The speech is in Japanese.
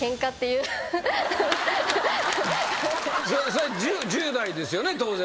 それ１０代ですよね当然。